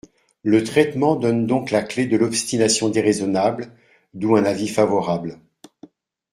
Le traitement donne donc la clé de l’obstination déraisonnable, d’où un avis favorable.